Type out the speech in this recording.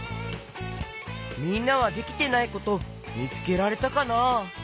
みんなはできてないことみつけられたかな？